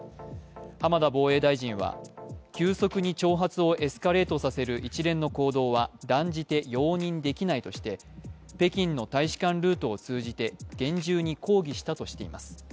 浜田防衛大臣は、急速に挑発をエスカレートさせる一連の行動は断じて容認できないとして、北京の大使館ルートを通じて厳重に抗議したとしています。